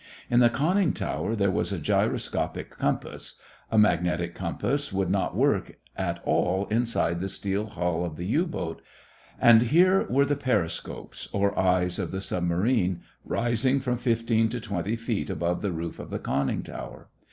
In the conning tower there was a gyroscopic compass; a magnetic compass would not work at all inside the steel hull of the U boat. And here were the periscopes or eyes of the submarine, rising from fifteen to twenty feet above the roof of the conning tower.